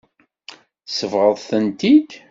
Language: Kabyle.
Tsebɣeḍ-tent-id.